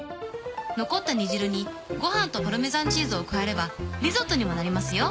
残った煮汁にご飯とパルメザンチーズを加えればリゾットにもなりますよ。